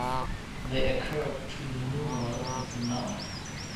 They occur between the numeral and the noun.